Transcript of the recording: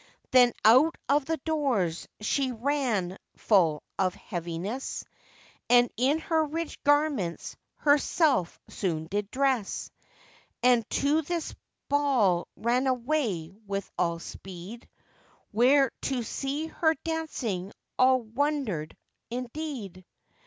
Then out of the doors she ran full of heaviness, And in her rich garments herself soon did dress; And to this ball ran away with all speed, Where to see her dancing all wondered indeed.